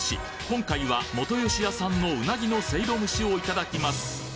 今回は本吉屋さんのうなぎのせいろ蒸しをいただきます